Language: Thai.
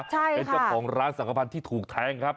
ใช่ค่ะเป็นเจ้าของร้านสังขพันธ์ที่ถูกแทงครับ